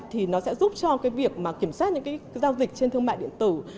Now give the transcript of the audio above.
thì nó sẽ giúp cho việc kiểm soát những giao dịch trên thương mại điện tử